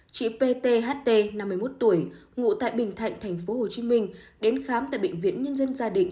chị pt năm mươi một tuổi ngụ tại bình thạnh tp hcm đến khám tại bệnh viện nhân dân gia đình